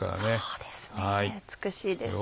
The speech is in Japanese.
そうですね美しいです。